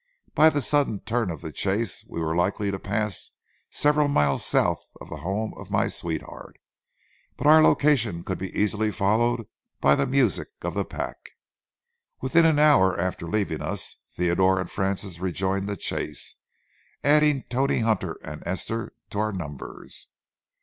By the sudden turn of the chase, we were likely to pass several miles south of the home of my sweetheart, but our location could be easily followed by the music of the pack. Within an hour after leaving us, Theodore and Frances rejoined the chase, adding Tony Hunter and Esther to our numbers.